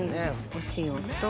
お塩と。